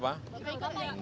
tidak ikut ya